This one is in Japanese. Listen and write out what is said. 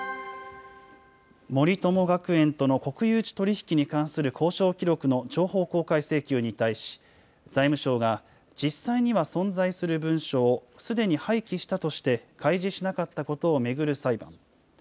森友学園との国有地取り引きに関する交渉記録の情報公開請求に対し、財務省が、実際には存在する文書を、すでに廃棄したとして開示しなかったことを巡る裁判。